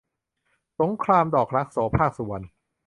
สงครามดอกรัก - โสภาค สุวรรณ